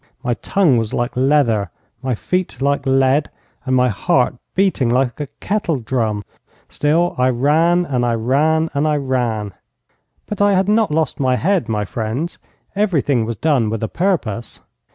My tongue was like leather, my feet like lead, and my heart beating like a kettle drum. Still I ran, and I ran, and I ran. But I had not lost my head, my friends. Everything was done with a purpose.